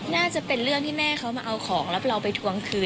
น่าจะเป็นเรื่องที่แม่เขามาเอาของรับเราไปทวงคืน